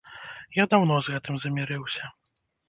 Я даўно з гэтым замірыўся.